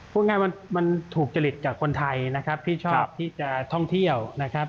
พูดง่ายมันถูกจริตจากคนไทยนะครับที่ชอบที่จะท่องเที่ยวนะครับ